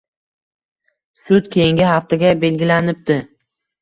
Sud keyingi haftaga belgilanibdi